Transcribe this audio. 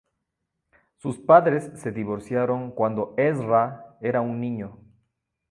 Sus padres se divorciaron cuando Ezra era un niño.